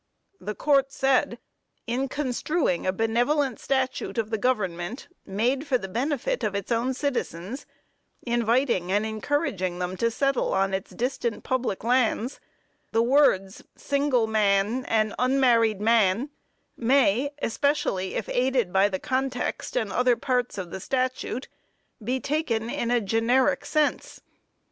The Court said: "In construing a benevolent statute of the government, made for the benefit of its own citizens, inviting and encouraging them to settle on its distant public lands, the words 'single man,' and 'unmarried man' may, especially if aided by the context and other parts of the statute, be taken in a generic sense.